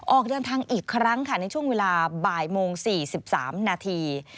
ออกเดินทางอีกครั้งค่ะในช่วงเวลาบ่ายโมง๔๓นาที